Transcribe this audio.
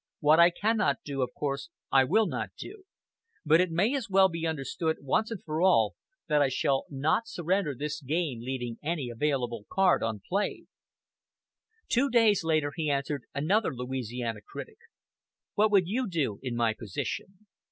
What I cannot do, of course I will not do; but it may as well be understood, once for all, that I shall not surrender this game leaving any available card unplayed." Two days later he answered another Louisiana critic. "What would you do in my position?